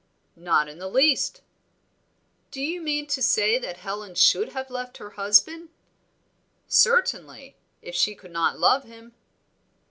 "Not in the least." "Do you mean to say that Helen should have left her husband?" "Certainly, if she could not love him."